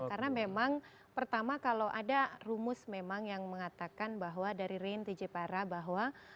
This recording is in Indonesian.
karena memang pertama kalau ada rumus memang yang mengatakan bahwa dari rien tijipara bahwa